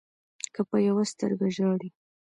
که په يوه سترګه ژاړې